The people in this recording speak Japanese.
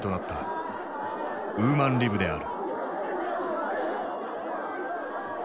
ウーマンリブである。